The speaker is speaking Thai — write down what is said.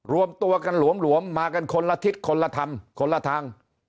รวมตัวกันหลวมมากันคนละทิศคนละธรรมคนละทาง